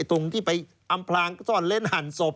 ตรงที่ไปอำพลางซ่อนเล้นหั่นศพ